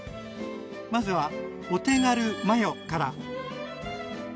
まずはお手軽マヨから。